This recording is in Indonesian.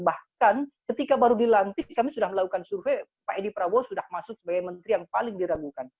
bahkan ketika baru dilantik kami sudah melakukan survei pak edi prabowo sudah masuk sebagai menteri yang paling diragukan